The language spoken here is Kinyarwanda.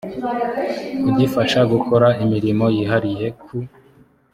kugifasha gukora imirimo yihariye ku